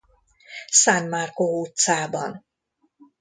San Marco utcában.